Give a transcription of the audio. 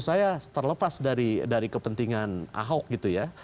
saya terlepas dari kepentingan ahok gitu ya